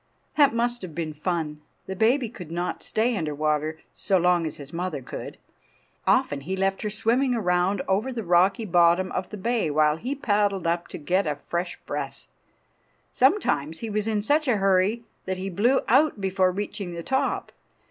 That must have been fun. The baby could not stay under water so long as his mother could. Often he left her swimming around over the rocky bottom of the bay while he paddled up to get a fresh breath. Sometimes he was in such a hurry that he blew out before reaching the top.